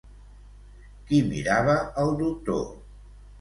Qui mirava el doctor?